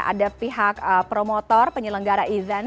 ada pihak promotor penyelenggara event